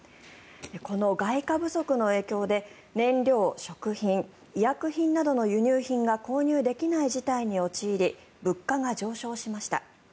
この外貨不足の影響で燃料、食品、医薬品などの輸入品が購入できない事態に陥り物価が上昇しました。